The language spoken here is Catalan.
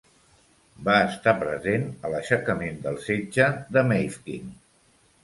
Va estar present a l'aixecament del Setge de Mafeking.